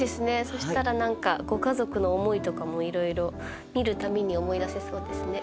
そしたら何かご家族の思いとかもいろいろ見る度に思い出せそうですね。